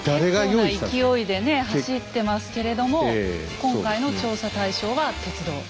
結構な勢いでね走ってますけれども今回の調査対象は「鉄道」。